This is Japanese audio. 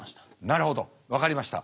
なるほど分かりました。